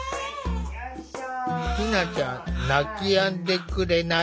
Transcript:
ひなちゃん泣きやんでくれない。